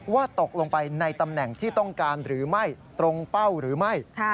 ว่าตกลงไปในตำแหน่งที่ต้องการหรือไม่ตรงเป้าหรือไม่